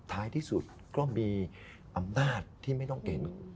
ท้ายที่สุดก็มีอำนาจที่ไม่ต้องเก่ง